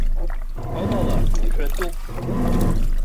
Амала иҳәатәуп.